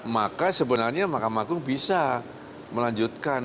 maka sebenarnya mahkamah agung bisa melanjutkan